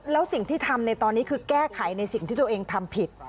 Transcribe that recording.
แล้วสิ่งที่ทำในตอนนี้คือแก้ไขในสิ่งที่ตัวเองทำผิด